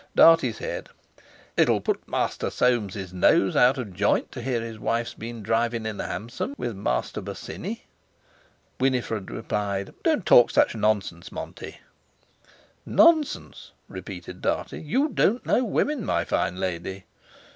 Dartie said: "It'll put Master Soames's nose out of joint to hear his wife's been drivin' in a hansom with Master Bosinney!" Winifred replied: "Don't talk such nonsense, Monty!" "Nonsense!" repeated Dartie. "You don't know women, my fine lady!"